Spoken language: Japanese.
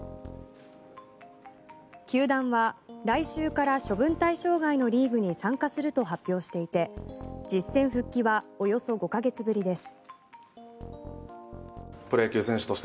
球団は来週から処分対象外のリーグに参加すると発表していて実戦復帰はおよそ５か月ぶりです。